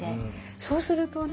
そうするとね